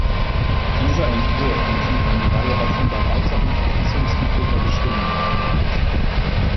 Dieser Entwurf enthielt eine Reihe offenbar weiterhin verfassungswidriger Bestimmungen.